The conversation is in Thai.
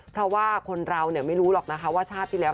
เพราะว่าคนเราไม่รู้หรอกนะคะว่าชาติที่แล้ว